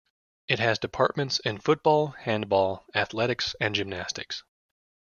It has departments in football, handball, athletics and gymnastics.